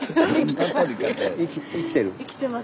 生きてる？